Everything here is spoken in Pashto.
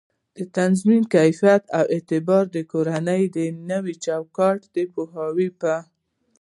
د تضمین کیفیت او اعتبار ورکووني د نوي چوکات د پوهاوي په